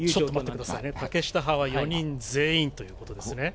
竹下派は４人全員ということですね。